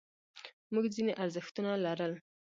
موږ ځینې ارزښتونه لرل.